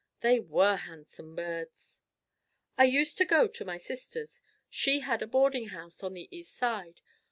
They were handsome birds. I used to go to my sister's. She had a boarding house on the East Side.